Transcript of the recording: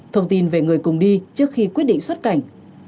thông tin về người cùng đi trước khi quyết định xuất cảnh